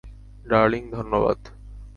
Darling, ধন্যবাদ।